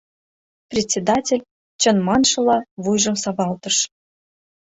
Председатель, чын маншыла, вуйжым савалтыш.